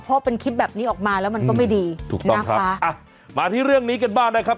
พอเป็นคลิปแบบนี้ออกมาแล้วมันก็ไม่ดีถูกนะคะอ่ะมาที่เรื่องนี้กันบ้างนะครับ